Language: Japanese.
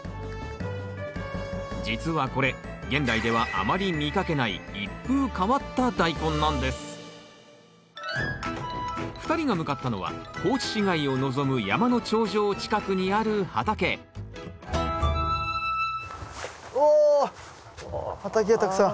実はこれ現代ではあまり見かけない２人が向かったのは高知市街を望む山の頂上近くにある畑お畑がたくさん。